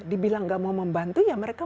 dibilang gak mau membantu ya mereka